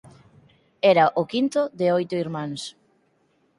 Era o quinto de oito irmáns.